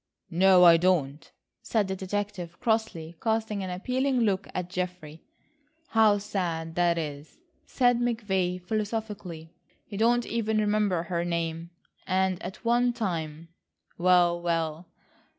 "No, I don't," said the detective crossly, casting an appealing look at Geoffrey. "How sad that is," said McVay philosophically. "You don't even remember her name, and at one time—well, well."